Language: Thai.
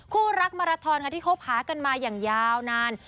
คู่รักมาราทอนค่ะที่คบหากันมาอย่างยาวนาน